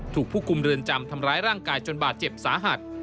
ถูกผู้คุมเรือนจำทำร้ายร่างกายจนบาดเจ็บสาหัส